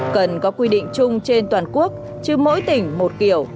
cần có quy định chung trên toàn quốc chứ mỗi tỉnh một kiểu